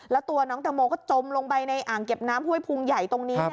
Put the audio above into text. แล้วตัวน้องแตงโมก็จมลงไปในอ่างเก็บน้ำห้วยพุงใหญ่ตรงนี้